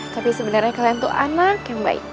tapi sebenarnya kalian tuh anak yang baik